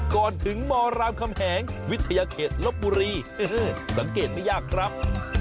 ก่อนถึงมรามคำแหงวิทยาเขตลบบุรีสังเกตไม่ยากครับ